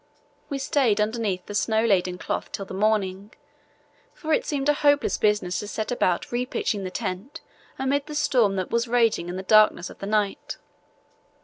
We stayed underneath the snow laden cloth till the morning, for it seemed a hopeless business to set about re pitching the tent amid the storm that was raging in the darkness of the night.